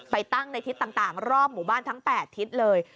ไปตั้งในทิศต่างรอบหมู่บ้านทั้ง๘ทิศเลย